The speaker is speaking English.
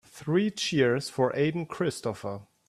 Three cheers for Aden Christopher.